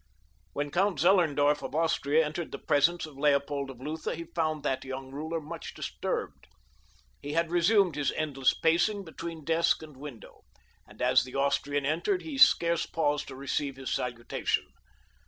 When Count Zellerndorf of Austria entered the presence of Leopold of Lutha he found that young ruler much disturbed. He had resumed his restless pacing between desk and window, and as the Austrian entered he scarce paused to receive his salutation.